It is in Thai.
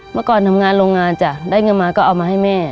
เมื่อก่อนทำงานโรงงานจ้ะได้เงินมาก็เอามาให้แม่